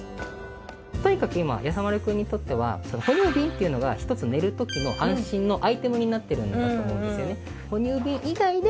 とにかく今やさ丸くんにとっては哺乳瓶っていうのが一つ寝るときの安心のアイテムになっているんだと思うんですよね